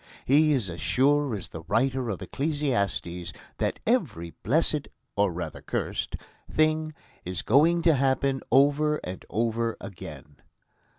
He is as sure as the writer of Ecclesiastes that every blessed or, rather, cursed thing is going to happen over and over again.